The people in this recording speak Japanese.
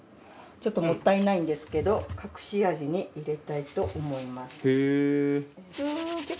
ちょっともったいないんですけど隠し味に入れたいと思います。